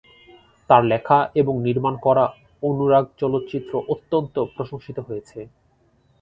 তার লেখা এবং নির্মাণ করা অনুরাগ চলচ্চিত্র অত্যন্ত প্রশংসিত হয়েছে।